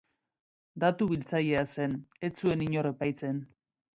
Datu biltzailea zen, ez zuen inor epaitzen.